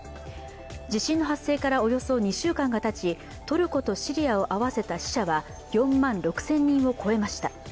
地震の発生からおよそ２週間がたちトルコとシリアを合わせた死者は４万６０００人を超えました。